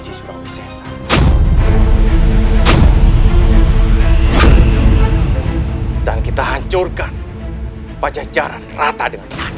ia hanya mengalangi kita untuk mendapatkan darah suci kian santai